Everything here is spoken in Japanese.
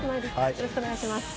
よろしくお願いします。